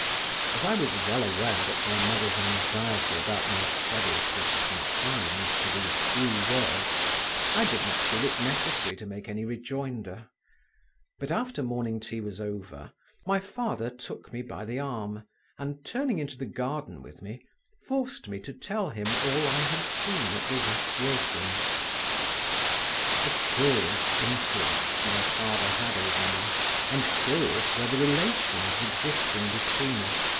As I was well aware that my mother's anxiety about my studies was confined to these few words, I did not feel it necessary to make any rejoinder; but after morning tea was over, my father took me by the arm, and turning into the garden with me, forced me to tell him all I had seen at the Zasyekins'. A curious influence my father had over me, and curious were the relations existing between us.